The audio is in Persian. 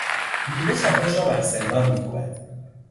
بیهوده چکش را بر سندان میکوبند.